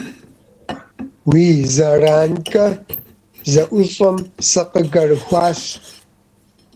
Уи зэранкӏэ зэӀущӀэм сыкъыкӀэрыхуащ.